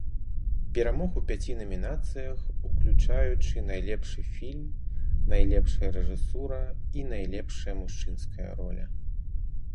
Перамог у пяці намінацыях, уключаючы найлепшы фільм, найлепшая рэжысура і найлепшая мужчынская роля.